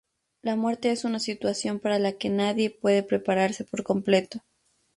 La muerte es una situación para la que que nadie puede prepararse por completo.